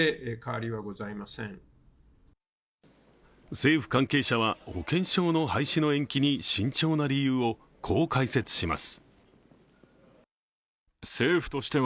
政府関係者は保険証の廃止の延期に慎重な理由をこう解説します。